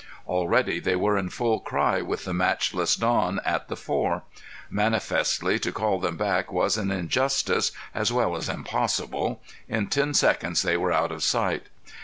Already they were in full cry with the matchless Don at the fore. Manifestly to call them back was an injustice, as well as impossible. In ten seconds they were out of sight.